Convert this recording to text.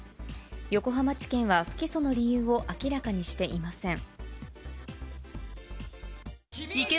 横浜地検は不起訴の理由を明らかにしていません。